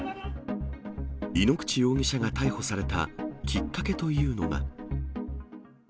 井ノ口容疑者が逮捕されたきっかけというのが。